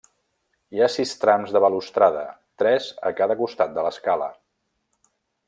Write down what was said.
Hi ha sis trams de balustrada, tres a cada costat de l'escala.